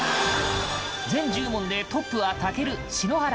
全１０問でトップは健、篠原アナ。